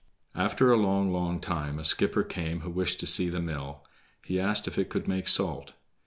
After a long, long time a skipper came who wished to see the mill. He asked if it could make salt.